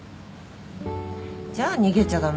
じゃあ逃げちゃ駄目じゃん。